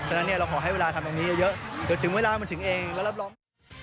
ฉะนั้นเนี่ยเราขอให้เวลาทำตรงนี้เยอะเยอะเดี๋ยวถึงเวลามันถึงเอง